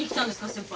先輩。